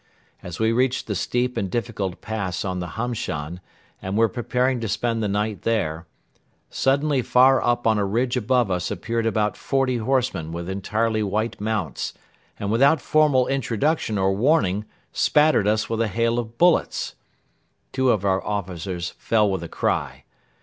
As we reached the steep and difficult Pass on the Hamshan and were preparing to spend the night there, suddenly far up on a ridge above us appeared about forty horsemen with entirely white mounts and without formal introduction or warning spattered us with a hail of bullets. Two of our officers fell with a cry.